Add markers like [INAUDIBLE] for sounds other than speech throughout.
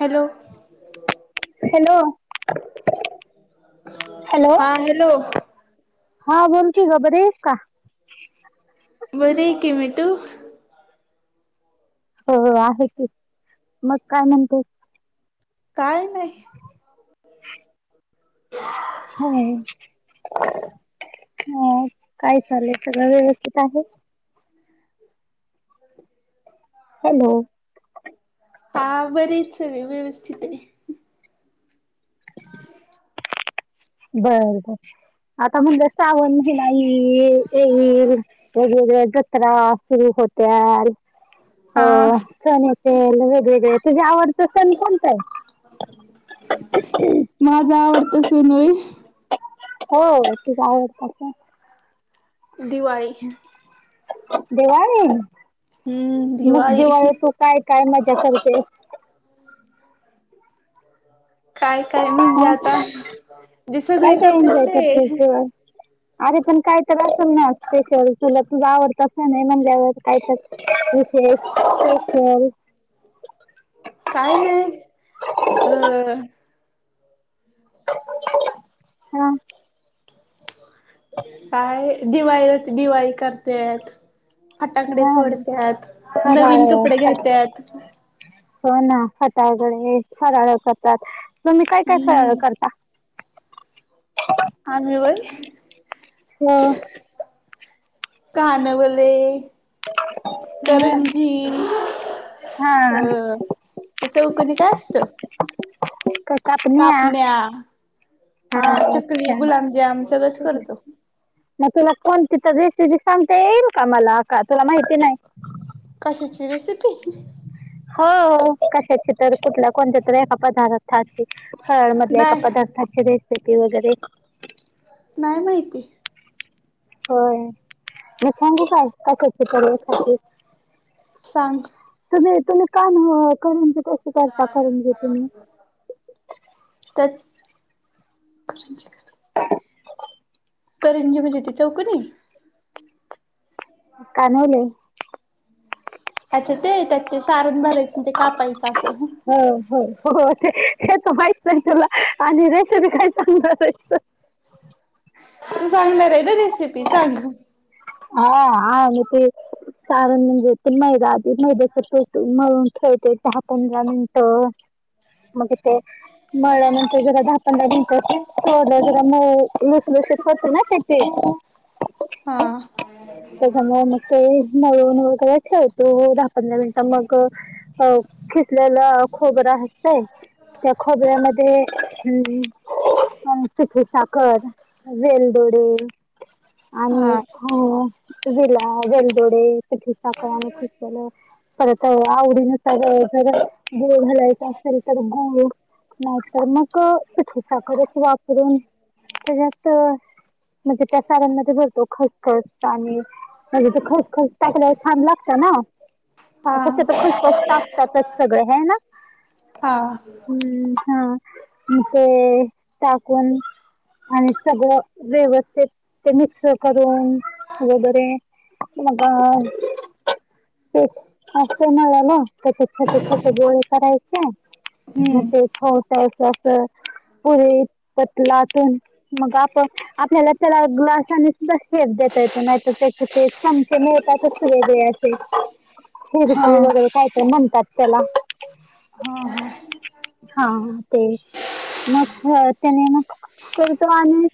Hello hello, hello हा hello हा बोलकी ग बरी आहेस का? बरी कमटू... हो आहे क मग काय म्हणते... काय... नाही ह... [UNINTELLIGIBLE] हो म... ह काय चालेल सगळं व्यवस्थित आहे.... हॅलो... हा बरेच सगळे व्यवस्थित आहे.. बर बर आता म्हणजे श्रावण.. जलाई येल वगैरे जत्रा सुरु होत्या... हो हा चण वेगवेगळे तुझे आवड.. माझ आवडत सनय. हो तूझ आवडता सण... दिवाळी ह... दिवाळी मग दिवाळी तो काय... काय मज्जा करते... काय काय म्हणजे हा आता जी काय सगळी काय करतेस एन्जॉय ते... करतेस दिवाळी अरे पण काही तर असेल ना स्पेशल तुला तुझ आवडत असं नाही म्हणल्यावर काही तर... ते खल.. काय नाही अ.. हा काय दिवाळी दिवाळी करतेय... फाटांकडे हा फोडतत फराळ नवीन कपडे घेत्यात... हो ना फटाकडे फराळ करतात तुम्ही काय काय फराळ हम्म करता.... आम्ही होय.. हा... कानवले हं, करंजी... अ हा... ते चौकणी काय असत... कापण्या... हा चकली गुलामजाम सगळंच ठीक आहे. करतो... मग तुला कोणती तर रेसिपी सांगता येईल का मला का तुला माहिती नाही... कशाची रेसिपी... हो कशाचे तर कुठला कोणत्या तर एका पदर्थाची.... फराळमधल्या एका नाही पदार्थाची रेसिपी वगैरे... नाही माहिती... होय मी सांगू काय कशाच तरी... सांग... का.. कस करता करंजी तुम्ही... त्यात [UNINTELLIGIBLE] करंजी म्हणजे ति चौकनि.... कानवले.... अच्छा ते त्यात ते सारण भरायच... हो हो हो ते हेच माहित आहे तुला आणि रेसपी काय.... सांगणार आहेस.... तू सांगणार र आहे ना रेसिपी सांग.... हा हा म... सारण म्हणजे ते मैदा आधी मैद्याचा पोट मळून ठेवते.... दहा, पंधरा मिनट मग ते मळल्यानंतर जरा दहा, पंधरा मिनिट ठेवुन जरा मऊ लुसलुशीत होतय ना पीठ ते. हा त्याच्यामुळे मग ते मऊ मुळ कराय ठेवतोय हो दहा, पंधरा मिनिट मग अ खिसलेल खोबरं असतय त्या खोबऱ्यामध्ये हम् पीठी साखर, वेलदोडे [UNINTELLIGIBLE] हा तर आवडीनुसार जर गुळ घालायच असेल तर गुळ. नाहीतर मग पीठीसाखरच वापरून त्याच्यात. म्हणजे त्या साऱनमध्ये भरतो. खसखस आणि म्हणजे ते खसखस टाकल्यावर छान लागतात. ना. हा. शक्यतो खसखस टाकतातच सगळे हे ना. हा हम्म, हा. मग ते टाकून. आणि सगळं व्यवस्थित ते मिक्स करून वगैरे. मग ते अस त्याचे छोटे-छोटे गोळे करायचे. मग हम्म ते खवटायचं अस. पुरी पत लाटून मग आपन. आपल्याला त्याला ग्लासाने सुधा शेप. देता येत नाही तर त्या येतातच [INAUDIBLE] वगैर. हा कायतर म्हणतात त्याला, हा हा हा ते. मग त्याने मगतो आणि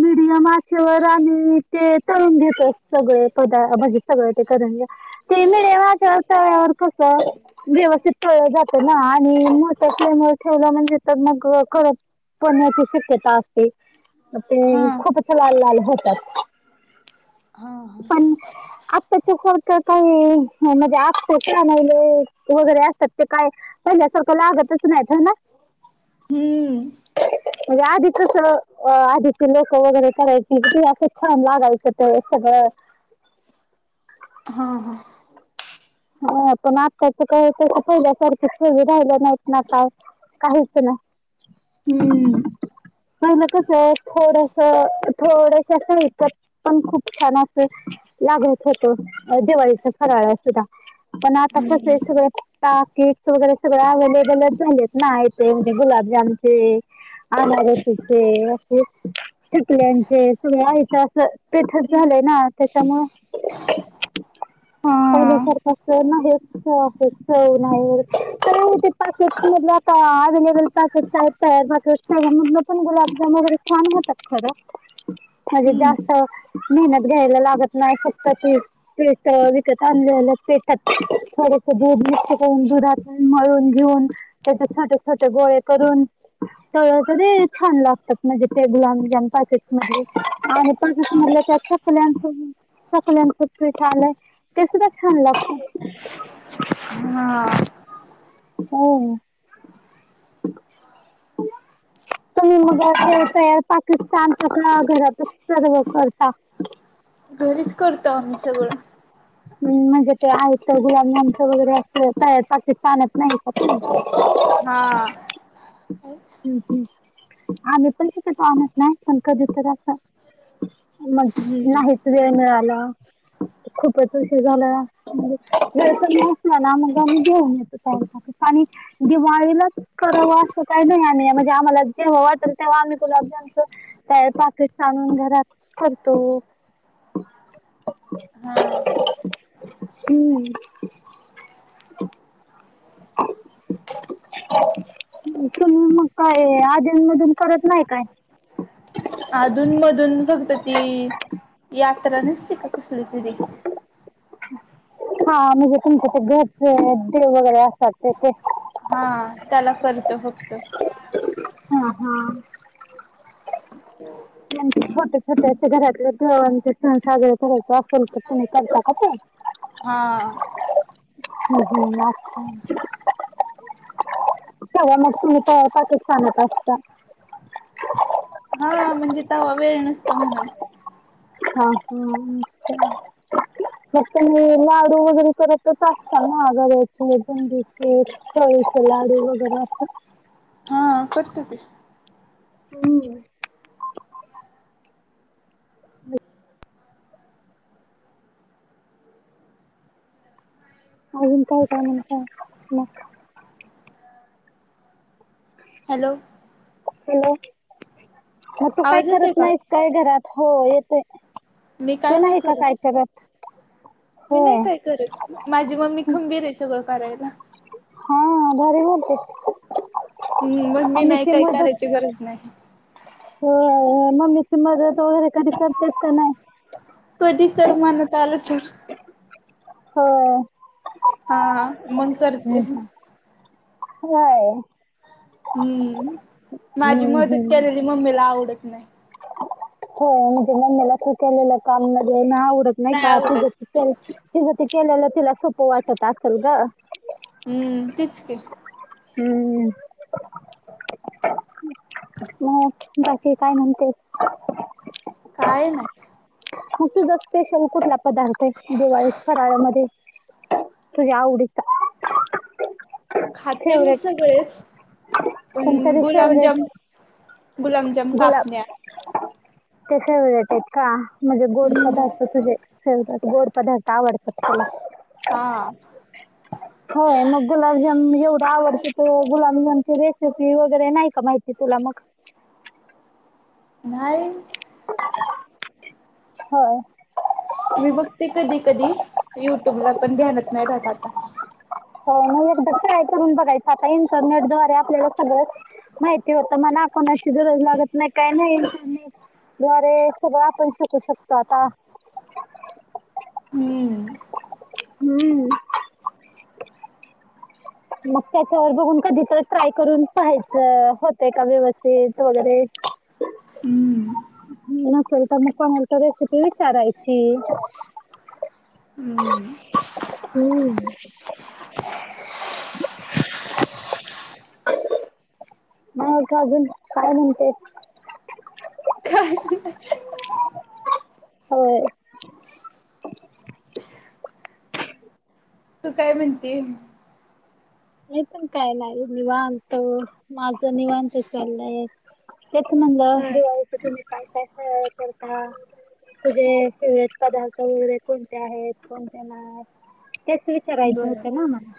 मिडीयम अस. आचेवर आम्ही ते तळून घेतोय सगळं पदा भाजी सगळे ते करंज्या ते मी वत. [UNINTELLIGIBLE] कसं. व्यवस्थित तळलं जातं ना. आणि मोठ ठेवलं म्हणजे तर मग करपतंय. पण्याची शक्यता असते, ते हा खूपच लाल-लाल होतात. हा हा पण आताच्या खोड तर काही म्हणजे नाहीले वगैरे असतात. ते काय पहिल्यासारखं लाआगतच नाहीत ना. हम्म. म्हणजे आधीचच आधीचे लोकं वगैरे करायची की. असं छान लागायचं ते सगळं. ह. हा हा. आताच काय पहिल्यासारखं चवी राहिल्या नाहीत ना काय. काहीच ना. हम्म. पहिलं कस थोडस. थोड्याशस हेच्यात पण खूप छान अस लागत होत. दिवाळीचा फराळ. कळ्या सुद्धा. पण आता हम्म कसे सगळे पता केक्स वगैरे, सगळे अव्हेलेबल झालेत. नाही ते म्हजे गुलाबजामचे. अनारसे चिकल्याचे सगळे आयत अस पीठ झालंय ना त्याच्या मुळे पहिल्या हा. सारख ते ना हेच हे अ नाहीच सवय नाहीये, तर मग ती पासेस आता अवेलेबल पास. तिकडच्या साईट राधाकृष्ण मंदिरात गुलाब जामुन छान देतात खरं [UNINTELLIGIBLE] हम्म. अस मेहत घ्यायला लागत नाहीत. फक्त पीठअ विकत आणलेले असत. तेच्या थोटसे दूध मिक्स करून. दुधात मळून घेऊन. त्याचे छोटे छोटे गोळे गोळे हे करून. ते किती छान लागतात. म्हणजे ते गुलाबजाम पॅकेट. म्हणजे आम्ही पॅकेट मधलेच चकल्यांचे पीठ आलंय. ते सुद्धा ह लक्ष हा हो तुम्ही उद्या ते तयार पाठ क्रिस्तान घरात सर्व करता घरीच करतो आम्ही सगळं म्हणजे ते आहेत तर गुलाबजामच वगैरे अस तयार पाकिटच आणत नाही का तूम्ही, हा तुम्ही? आम्ही पण विकत आणत नाही कधीतरी असं मग हम्म. नाहीच वेळ मिळाला खूपच ते झाला म्हणजे वेळ कमी असल्याने मग आम्ही जेवून घेतो आणि दिवा ळीला कराव असं काही नाही म्हणजे आम्हाला जेव्हा वाटेल तेव्हा आम्ही गुलाबजामच काय पाकिट्स आणून घरात करतो. हा हम् [INAUDIBLE] तुम्ही मग काय आधुन मधून करत नाही काय अधून मधून फक्त ती यात्रा नसते का कसली तरी हा म्हणजे तुमच्या ते घरचे देव वगैरे असतात ते ते हा त्याला करतो फक्त हा त्यां छोट्या श्या घरातले ते सण साजरे करायच असेल तर तुही करता का ते. हा ह खर मग तुम्ही करतात कि सांगत असता हा म्हणजे तवा वेळ नसतो म्हणून, हा हम अच्छा मग तुम्ही लाडू वगैरे करत असताना रव्याचे, बुंदीचे लाडू वैगेरे असतात ना. हा अ करतो की, हम अजून काय काय म्हणताय मग हॅलो हॅलो हा तू काय आवाज येतोय करत का? नाहीस काय घरात हो, येतय मी काय नाही करत मी नाही होय काय करत माझी मम्मी खंबीर आहे. सगळं करायला, हा भारी बोलते हम्म मम्मी आहे की काही करायची गरज नाही. हो हो मम्मीच तु मदत वगैरे कधी करतेत का नाही. कधी तर मनात आलं तर हो हा हा मग करते. हम्म. होय हम्म माझी हम्म मदत हम्म केलेली मम्मीला आवडत नाही. होय, म्हणजे मम्मीला तू केलेलं काम आवडत नाही. का तूझं तू करीत तिझ ते केलेला तिला सोपं वाटत. असेल ग हम्म तेच की हम्म मग बाकी काय म्हण तेस. काय नाही. तूझं स्पेशल कुठला पदार्थ दिवाळी फराळ्यामध्ये, तुझ्या आवडीचा खाते मी फेवरेट सगळेच. पण कोणतरी फेवरेट गुलामजामन गुलामजम, गुलाब कापण्या- ते का वजटेत का म्हणजे गोड हम्म पदार्थ तुझे. हो गोड पदार्थ आवडत. हा होय. मग गुलाबजामून. एवढं आवडत त गुलामजामची रेसिपी वगैरे, नाही का माहिती तुला मग नाहीय होय, मी बघते कधी कधी युट्यूबला पण ध्यानात नाही राहत आता हो मग एकदा ट्राय करून बघायचं आता, इंटरनेट दवारे आपल्याला सगळं माहिती होतं मना कोणाशी गरज लागत नाही काही नाही, दवारे सगळं आपण शिकू शकतो आता हम्म हम्म. मग त्याच्यावर बघून कधी तर ट्राय करून पाहायचं, होत का व्यवस्थित वगैरे [UNINTELLIGIBLE] हम्म! येत नसेल तर मग, कोणाला तर रेसिपी विचारायची. हम्म! हम्म! [UNINTELLIGIBLE] मग अजून काय म्हणतेस? का नाही. होय. तू काय म्हणती. मी पण काय नाही, निवांत माझं निवांत चाललंय तेच म्हणलं दिवाळीच तुम्ही काय काय करता? तुझे फेेवरेट पदार्थ वगैरे कोणते आहेत. कोणते नाही? त्याच विचारायचं बर होतं ना मला.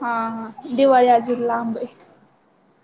हा हा दिवाळी अजून लांब आहे.